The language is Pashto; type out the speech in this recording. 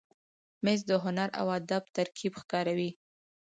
مېز د هنر او کار ترکیب ښکاروي.